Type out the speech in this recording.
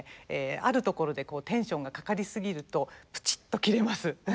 あるところでこうテンションがかかり過ぎるとぷちっと切れます。